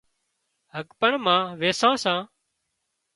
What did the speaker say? هٻڪڻ مان ويسان سان